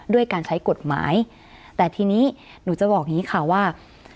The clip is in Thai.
ด้วยการใช้กฎหมายแต่ทีนี้หนูจะบอกอย่างนี้ค่ะว่า